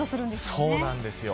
そうなんですよ。